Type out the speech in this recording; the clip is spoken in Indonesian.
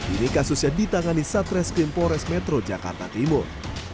ini kasusnya ditangani satreskrim pores metro jakarta timur